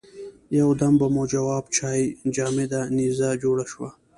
یو دم به مو جواب چای جامده نيزه جوړه شوه.